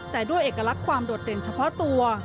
แต่ด้วยเอกลักษณ์ความโดดเด่นเฉพาะตัว